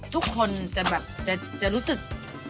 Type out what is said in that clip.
ทุกคนจะแบบจะรู้สึก